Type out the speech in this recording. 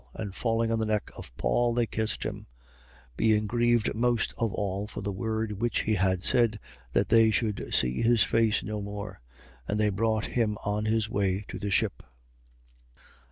And falling on the neck of Paul, they kissed him, 20:38. Being grieved most of all for the word which he had said, that they should see his face no more. And they brought him on his way to the ship.